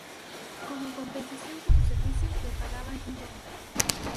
Como compensación por su servicio, le pagaban un dólar.